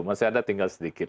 masih ada tinggal sedikit